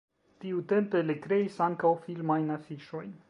Tiutempe li kreis ankaŭ filmajn afiŝojn.